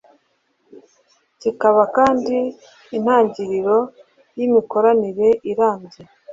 bikaba kandi intangiriro y’imikoranire irambye